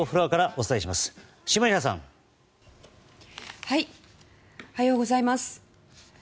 おはようございます。